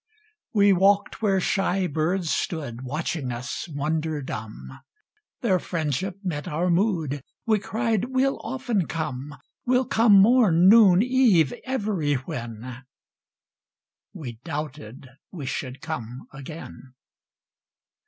We walked where shy birds stood Watching us, wonder dumb; Their friendship met our mood; We cried: "We'll often come: We'll come morn, noon, eve, everywhen!" —We doubted we should come again.